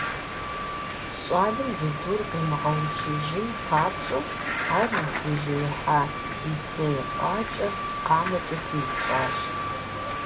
Щӏалэм джэдур къимыгъэушыжын папщӀэ, ар зытежеихьа и цей къуакӀэр къамэкӀэ пиупщӀащ.